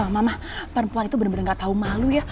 mama perempuan itu bener bener gak tau malu ya